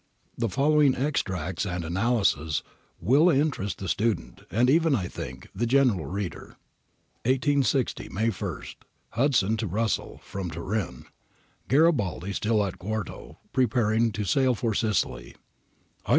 The following extracts and analyses will interest the student, and even, I think, the general reader. i860, May I. Hudson to Russell. From Turin. [Gari baldi still at Quarto, preparing to sail for Sicily,] ' I ft.